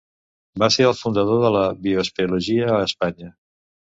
Va ser el fundador de la bioespeleologia a Espanya.